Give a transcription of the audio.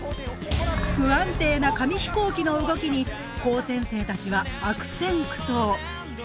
不安定な紙飛行機の動きに高専生たちは悪戦苦闘。